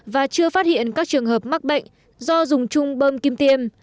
và chưa phát hiện các trường hợp mắc bệnh do dùng chung bơm kim tiêm